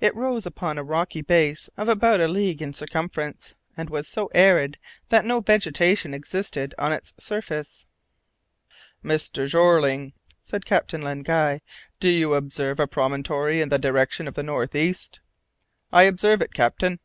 It rose upon a rocky base of about a league in circumference, and was so arid that no vegetation existed on its surface. "Mr. Jeorling," said Captain Len Guy, "do you observe a promontory in the direction of the north east?" "I observe it, captain."